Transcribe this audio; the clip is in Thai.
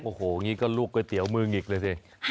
โอ้โหอย่างนี้ก็ลูกก๋วยเตี๋ยวมือหงิกเลยสิ